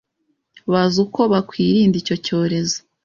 bazi uko bakwirinda icyo cyorezo.